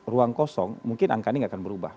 ruang kosong mungkin angka ini gak akan berubah